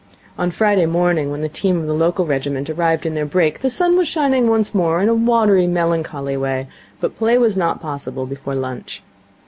On Friday morning, when the team of the local regiment arrived in their brake, the sun was shining once more in a watery, melancholy way, but play was not possible before lunch.